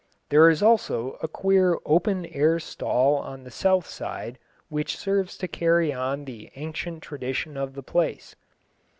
There is also a queer open air stall on the south side which serves to carry on the ancient tradition of the place.